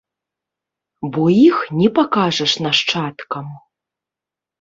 Бо іх не пакажаш нашчадкам.